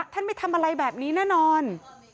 ไม่ทำอะไรแบบนี้แน่นอน